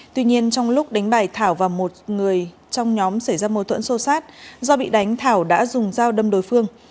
tuy nhiên trong lúc đánh bài thảo và một người trong nhóm xảy ra mâu thuẫn sâu sát do bị đánh thảo đã dùng dao đâm đối phương